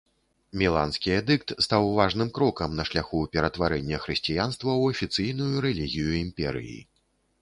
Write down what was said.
Міланскі эдыкт стаў важным крокам на шляху ператварэння хрысціянства ў афіцыйную рэлігію імперыі.